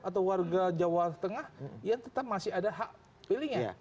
atau warga jawa tengah yang tetap masih ada hak pilihnya